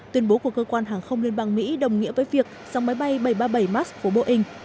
tuyên bố của cơ quan hàng không liên bang mỹ đồng nghĩa với việc dòng máy bay bảy trăm ba mươi bảy max của boeing